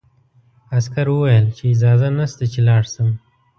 عسکر وویل چې اجازه نشته چې لاړ شم.